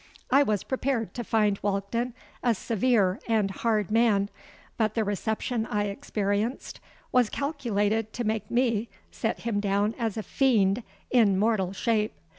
I was prepared to find Walkden a severe and hard man; but the reception I experienced was calculated to make me set him down as a fiend in mortal shape.